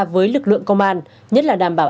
với lực lượng công an nhất là đảm bảo